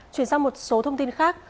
chuyển sang một số thông tin khác